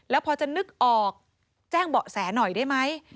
แล้วพอจะนึกออกแจ้งเบาะแสหน่อยได้ไหม